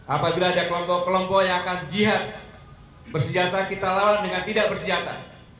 apabila ada kelompok kelompok yang akan jihad bersenjata kita lawan dengan tidak bersenjata